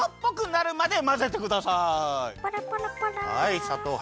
はいさとう